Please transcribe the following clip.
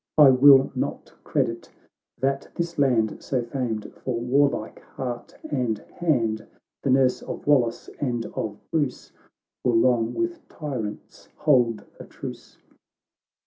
I will not credit that this land, So famed for warlike heart and hand, The nurse of Wrallace and of Bruce, Will long with tyrants hold a truce."